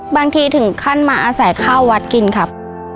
ถึงขั้นมาอาศัยข้าววัดกินครับ